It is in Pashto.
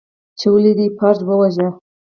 ، چې ولې دې فرج وواژه؟